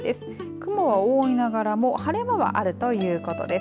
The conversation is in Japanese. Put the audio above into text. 雲は多いながらも晴れ間はあるということです。